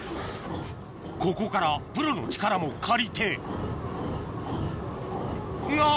ここからプロの力も借りてが！